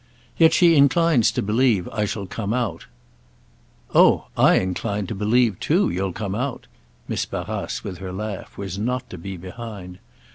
"Yet she inclines to believe I shall come out." "Oh I incline to believe too you'll come out!"—Miss Barrace, with her laugh, was not to be behind.